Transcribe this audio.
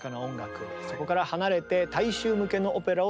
そこから離れて大衆向けのオペラを作りました。